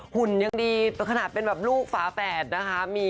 หุ่นยังดีขนาดเป็นแบบลูกฝาแฝดนะคะ